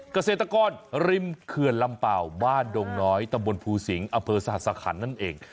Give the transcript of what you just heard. เกษตรกรริมเคือนลำเปล่าบ้านดงน้อยตะบนภูสิงอเภอสหรษภัณฑ์นั่นเอง